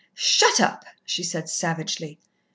"Shut up!" she said savagely.